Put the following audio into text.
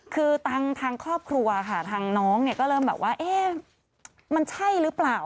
คือทางครอบครัวค่ะทางน้องเนี่ยก็เริ่มแบบว่ามันใช่หรือเปล่า